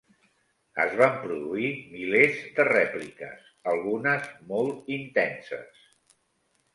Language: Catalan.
Es van produir milers de rèpliques, algunes molt intenses.